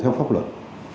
theo pháp luật